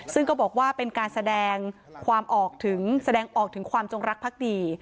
ซึ่งเขาบอกว่าเป็นการแสดงออกถึงความจงรักพรรคดี